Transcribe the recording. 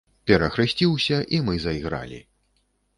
Перахрысціўся, і мы зайгралі.